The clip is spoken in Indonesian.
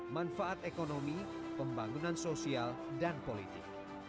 manfaat ekonomi pembangunan sosial dan politik